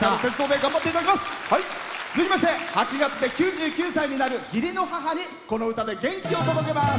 続きまして８月で９９歳になる義理の母にこの歌で元気を届けます。